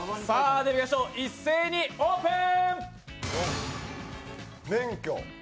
一斉にオープン！